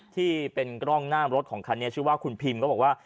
ที่เป็นกล้องหน้ารถของคันนี้ชื่อว่าคุณพิมก็บอกว่า